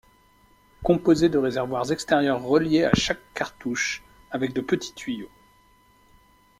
Composés de réservoirs extérieurs reliés a chaque cartouche avec de petits tuyaux.